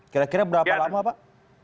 kira kira berapa lama pak